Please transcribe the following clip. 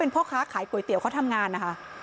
เขาเป็นพ่อข้าขายปลอดภัยเดี่ยวเขาทำงานนะคะ